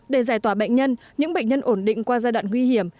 để giải tỏa bệnh nhân những bệnh nhân ổn định qua giai đoạn nguy hiểm